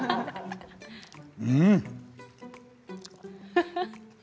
うん。